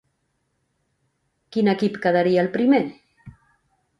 Quin equip quedaria el primer?